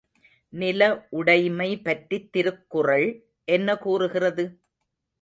நில உடைமை பற்றித் திருக்குறள் என்ன கூறுகிறது?